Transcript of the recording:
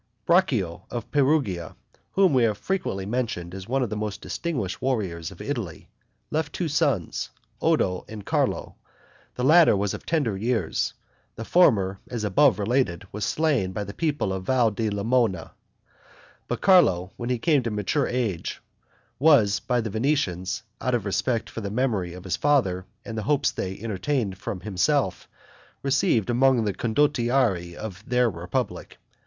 Braccio of Perugia, whom we have frequently mentioned as one of the most distinguished warriors of Italy, left two sons, Oddo and Carlo; the latter was of tender years; the former, as above related, was slain by the people of Val di Lamona; but Carlo, when he came to mature age, was by the Venetians, out of respect for the memory of his father, and the hopes they entertained from himself, received among the condottieri of their republic.